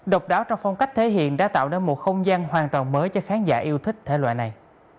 độc đáo trong phong cách thể hiện đã tạo nên một không gian hoàn toàn mới cho khán giả yêu thích thể loại này